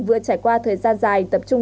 vừa trải qua thời gian dài tập trung